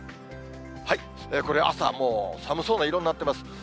これ、朝もう、寒そうな色になってます。